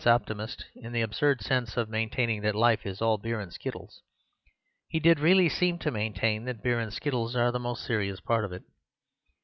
Though not an optimist in the absurd sense of maintaining that life is all beer and skittles, he did really seem to maintain that beer and skittles are the most serious part of it.